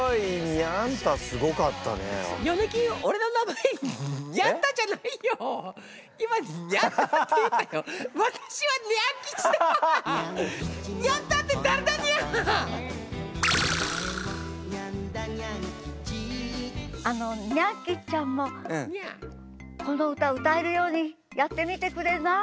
ヨネキンあのニャン吉ちゃんもこの歌歌えるようにやってみてくれない？